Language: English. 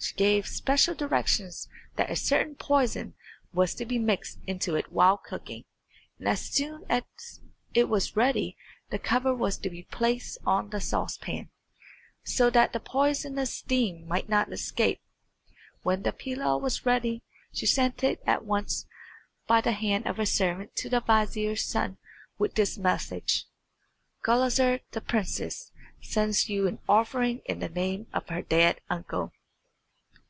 She gave special directions that a certain poison was to be mixed into it while cooking, and as soon as it was ready the cover was to be placed on the saucepan, so that the poisonous steam might not escape. When the pilaw was ready she sent it at once by the hand of a servant to the vizier's son with this message: "Gulizar, the princess, sends you an offering in the name of her dead uncle."